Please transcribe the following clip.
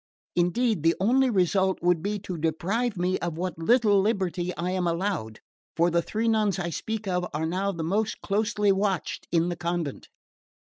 Indeed, the only result would be to deprive me of what little liberty I am allowed; for the three nuns I speak of are now the most closely watched in the convent."